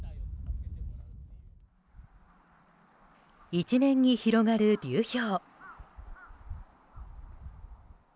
一面に広がる流氷。